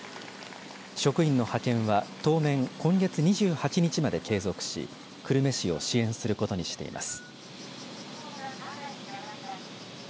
職員の派遣は当面今月２８日まで継続し久留米市を支援することにしています。